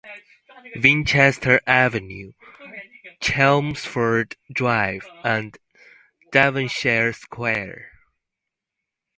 "Winchester" Avenue, "Chelmsford" Drive, and "Devonshire" Square.